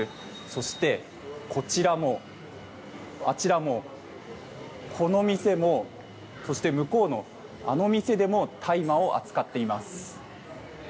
そして、こちらもあちらもこの店でもそして向こうのあの店でも大麻を扱っています。